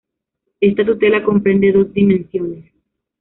Ésta tutela comprende dos dimensiones.